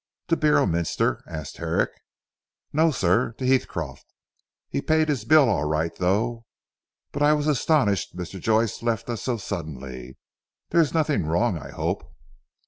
"To Beorminster?" asked Herrick. "No sir. To Heathcroft. He paid his bill alright though. But I was astonished Mr. Joyce left us so suddenly. There is nothing wrong I hope."